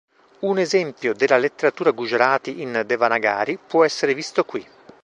Un esempio della letteratura gujarati in Devanagari può essere visto qui.